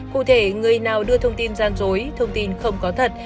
cụ thể người nào đưa thông tin gian dối thông tin không có thật